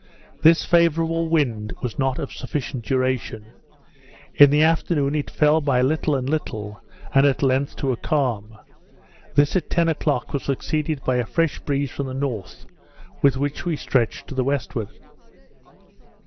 This favourable wind was not of sufficient duration; in the afternoon it fell by little and little, and at length to a calm; this at ten o'clock was succeeded by a fresh breeze from the north, with which we stretched to the westward.